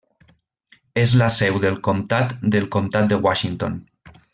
És la seu del comtat del Comtat de Washington.